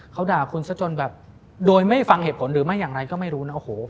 เขาด่าคุณซะจนแบบโดยไม่ฟังเหตุผลหรือไม่อย่างไรก็ไม่รู้นะโอ้โห